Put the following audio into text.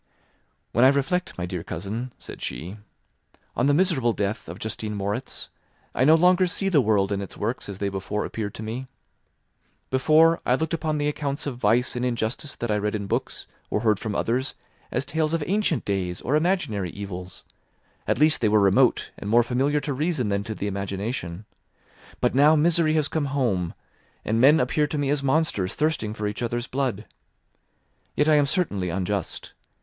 "When I reflect, my dear cousin," said she, "on the miserable death of Justine Moritz, I no longer see the world and its works as they before appeared to me. Before, I looked upon the accounts of vice and injustice that I read in books or heard from others as tales of ancient days or imaginary evils; at least they were remote and more familiar to reason than to the imagination; but now misery has come home, and men appear to me as monsters thirsting for each other's blood. Yet I am certainly unjust.